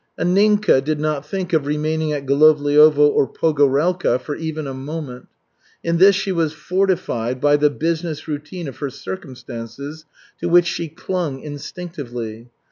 Anninka did not think of remaining at Golovliovo or Pogorelka for even a moment. In this she was fortified by the business routine of her circumstances, to which she clung instinctively.